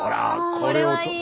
これはいい。